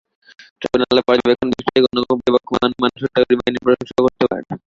ট্রাইব্যুনালের পর্যবেক্ষণ, বিশ্বের কোনো বিবেকমান মানুষ হত্যাকারী বাহিনীর প্রশংসা করতে পারে না।